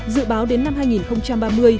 dự báo đến năm hai nghìn ba mươi